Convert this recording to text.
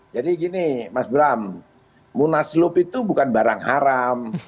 jadi gini mas ibram munaslub itu bukan barang haram